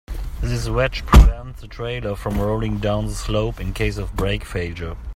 This wedge prevents the trailer from rolling down the slope in case of brake failure.